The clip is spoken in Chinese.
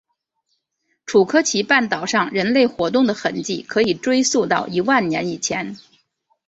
楚科奇半岛上人类活动的痕迹可以追溯到一万年以前。